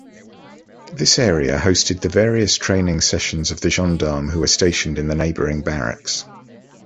This area hosted the various training sessions of the gendarmes who were stationed in the neighboring barracks.